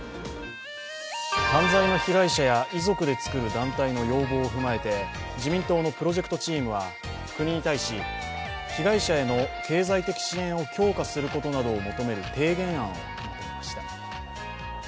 犯罪の被害者や遺族で作る団体の要望を踏まえて自民党のプロジェクトチームは国に対し、被害者への経済的支援を強化することなどを求める提言案をまとめました。